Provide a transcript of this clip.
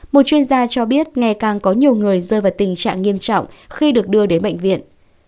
một chuyên gia cho biết ngày càng có nhiều người rơi vào tình trạng nghiêm trọng khi được đưa đến bệnh viện